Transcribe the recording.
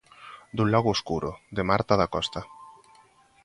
Dun lago escuro, de Marta Dacosta.